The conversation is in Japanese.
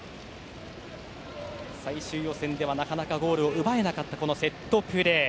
最終予選では、なかなかゴールを奪えなかったセットプレー。